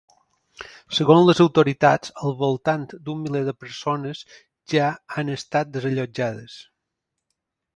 Segons les autoritats al voltant d’un miler de persones ja han estat desallotjades.